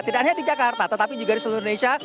tidak hanya di jakarta tetapi juga di seluruh indonesia